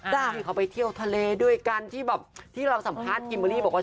ที่เขาไปเที่ยวทะเลด้วยกันที่แบบที่เราสัมภาษณ์คิมเบอร์รี่บอกว่า